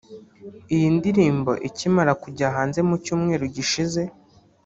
Iyi ndirimbo ikimara kujya hanze mu cyumweru gishize